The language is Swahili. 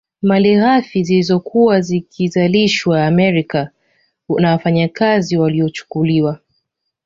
Malighafi zilizokuwa zikizalishwa Amerika na wafanyakazi waliochukuliwa